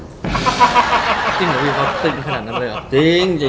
จริงหรือวิวเขาตึกขนาดนั้นเลยหรอ